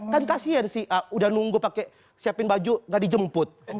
kan kasian si a udah nunggu pake siapin baju gak dijemput